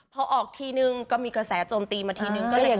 พอออกทีนึงก็มีกระแสโจมตีมาทีนึง